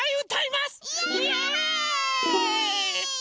イエーイ！